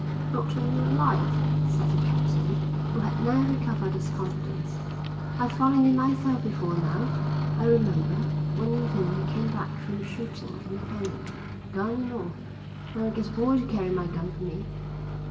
"Not on your life," said the captain, who had now recovered his confidence. "I've fallen in myself before now. I remember, one evening I came back from shooting, and I fell in, gun and all. Now I get a boy to carry my gun for me."